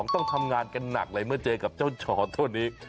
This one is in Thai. ต้องทำงานกันหนักเลยเมื่อเจอกับเจ้าชอตัวนี้